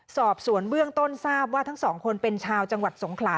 สอบสวนเบื้องต้นทราบว่าทั้งสองคนเป็นชาวจังหวัดสงขลา